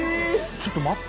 ちょっと待って。